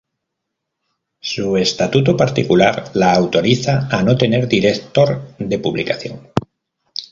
Su estatuto particular la autoriza a no tener director de publicación.